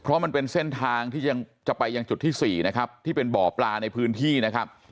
เพราะมันเป็นเส้นทางที่ยังจะไปยังจุดที่๔นะครับที่เป็นบ่อปลาในพื้นที่นะครับ